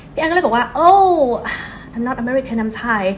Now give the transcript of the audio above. พี่แอ่นเลยบอกว่า